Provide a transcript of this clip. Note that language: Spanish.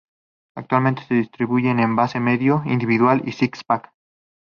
Actualmente, se distribuye en envase medio, individual y six-pack.